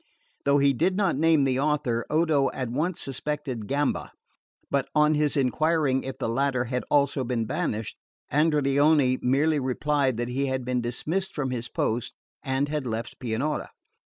Though he did not name the author, Odo at once suspected Gamba; but on his enquiring if the latter had also been banished, Andreoni merely replied that he had been dismissed from his post, and had left Pianura.